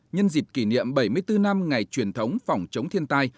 nhân dịp kỷ niệm bảy mươi bốn năm ngày truyền thống phòng chống thiên tai